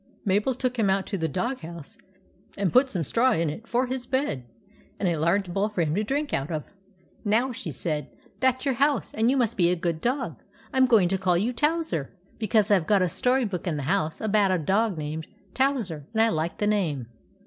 Mabel took him out to the dog house, and put some straw in it for his bed, and a large bowl for him to drink out of. " Now," she said, " there s your house, and you must be a good dog. I 'm going to call you Towser, because I Ve got a story book in the house about a dog named Towser, and I like the name."